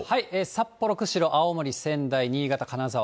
札幌、釧路、青森、仙台、新潟、金沢。